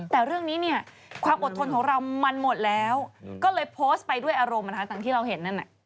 แต่เรื่องนี้เนี่ยความอดทนของเรามันหมดแล้วก็เลยโพสต์ไปด้วยอารมณ์อย่างที่เราเห็นนั่น